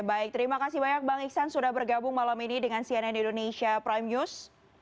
baik terima kasih banyak bang iksan sudah bergabung malam ini dengan cnn indonesia prime news